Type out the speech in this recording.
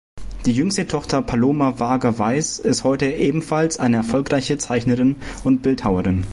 Die jüngste Tochter Paloma Varga Weisz ist heute ebenfalls eine erfolgreiche Zeichnerin und Bildhauerin.